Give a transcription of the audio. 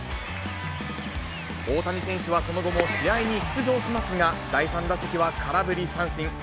大谷選手はその後も試合に出場しますが、第３打席は空振り三振。